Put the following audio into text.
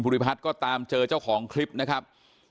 ริพัฒน์ก็ตามเจอเจ้าของคลิปนะครับ